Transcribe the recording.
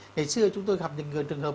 ngày xưa chúng tôi gặp những trường hợp